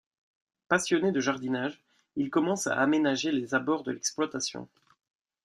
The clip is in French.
Passionnés de jardinage, ils commencent à aménager les abords de l’exploitation.